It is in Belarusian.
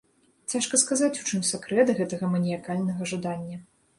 Цяжка сказаць, у чым сакрэт гэтага маніякальнага жадання.